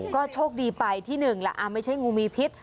ก็โชคดีไปที่หนึ่งล่ะไม่ใช่งูมีพิษ